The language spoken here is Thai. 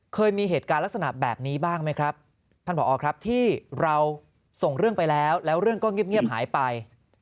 เคยมีเหตุการณ์ลักษณะแบบนี้บ้างไหมครับท่านผอครับที่เราส่งเรื่องไปแล้วแล้วเรื่องก็เงียบหายไป